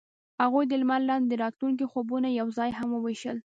هغوی د لمر لاندې د راتلونکي خوبونه یوځای هم وویشل.